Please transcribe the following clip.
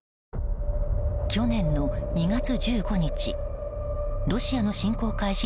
去年の２月１５日ロシアの侵攻開始